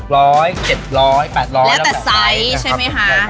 แล้วแต่ไซส์ใช่ไหมฮะ